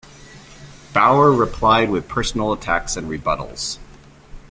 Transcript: Bower replied with personal attacks and rebuttals.